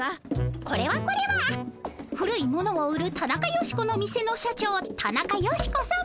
これはこれは古いものを売るタナカヨシコの店の社長タナカヨシコさま。